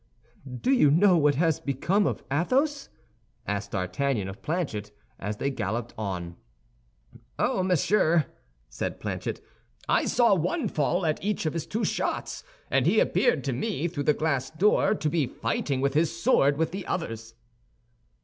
"Do you know what has become of Athos?" asked D'Artagnan of Planchet, as they galloped on. "Ah, monsieur," said Planchet, "I saw one fall at each of his two shots, and he appeared to me, through the glass door, to be fighting with his sword with the others."